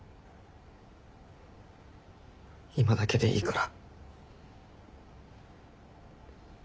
今だけでいいから。